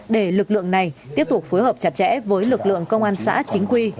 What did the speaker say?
để lực lượng này tiếp tục phối hợp chặt chẽ với lực lượng công an xã chính quy